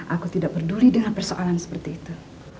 aku tidak peduli dengan persoalan seperti itu